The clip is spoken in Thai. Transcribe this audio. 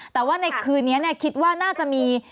แต่ว่าในคืนนี้คิดว่าน่าจะมี